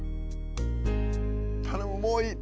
頼むもういい。